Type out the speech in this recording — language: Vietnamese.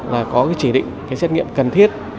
là có chỉ định xét nghiệm cần thiết